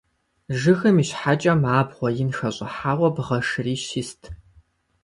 Жыгым и щхьэкӏэм абгъуэ ин хэщӏыхьауэ бгъэ шырищ ист.